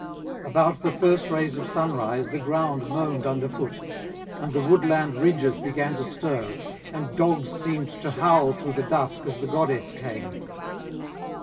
about the first rays of sunrise the ground moaned underfoot, and the woodland ridges began to stir, and dogs seemed to howl through the dusk as the goddess came.